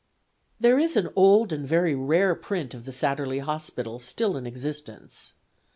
There is an old and very rare print of the Satterlee Hospital still in existence.